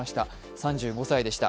３５歳でした。